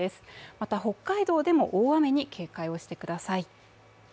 また北海道でも大雨に警戒をしてください。